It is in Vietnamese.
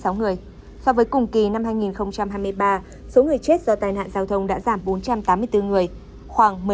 so với cùng kỳ năm hai nghìn hai mươi ba số người chết do tai nạn giao thông đã giảm bốn trăm tám mươi bốn người khoảng một mươi bảy